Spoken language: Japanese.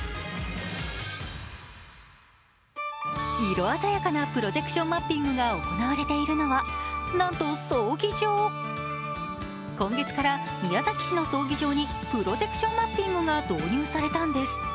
色鮮やかなプロジェクションマッピングが行われているのは今月から宮崎市の葬儀場にプロジェクションマッピングが導入されたんです。